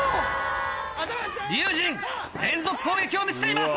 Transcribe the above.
龍心連続攻撃を見せています。